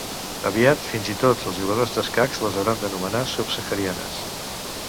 Aviat fins i tot els jugadors d'escacs les hauran d'anomenar subsaharianes.